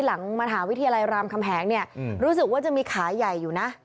หลังมหาวิทยาลัยรามคำแหงเนี่ยรู้สึกว่าจะมีขาใหญ่อยู่นะ